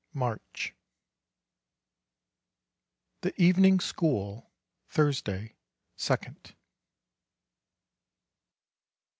MARCH THE EVENING SCHOOL Thursday, 2d.